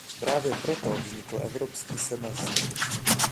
Právě proto vznikl evropský semestr.